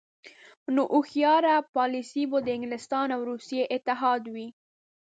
نو هوښیاره پالیسي به د انګلستان او روسیې اتحاد وي.